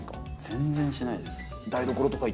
全然しないです。